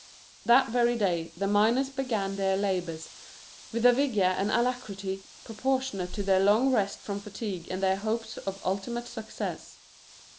That very day the miners began their labors, with a vigor and alacrity proportionate to their long rest from fatigue and their hopes of ultimate success.